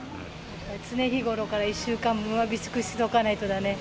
常日頃から１週間分は備蓄しておかないとだね。